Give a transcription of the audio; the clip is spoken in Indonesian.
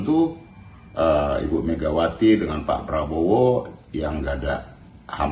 dan membelajar big kencang sekaligus di indonesia